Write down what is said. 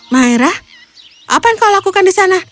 myra apa yang kau lakukan di sana